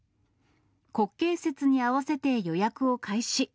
国慶節に合わせて予約を開始。